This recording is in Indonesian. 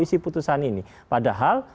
isi putusan ini padahal